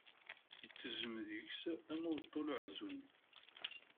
Itezzem deg-s am uwtul aɛezzuni.